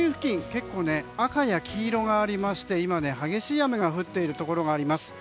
結構、赤や黄色がありまして今、激しい雨が降っているところがあります。